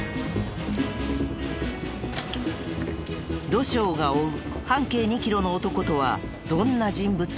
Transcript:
土性が追う半径２キロの男とはどんな人物なのか？